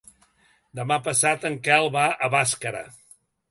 Demà passat en Quel va a Bàscara.